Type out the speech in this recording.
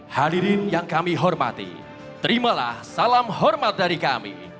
hadirin yang kami hormati terimalah salam hormat dari kami